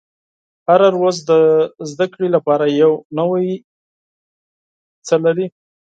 • هره ورځ د زده کړې لپاره یو نوی څه لري.